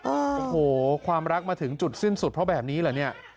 โอ้โหความรักมาถึงจุดสิ้นสุดเพราะแบบนี้เหรอเนี่ย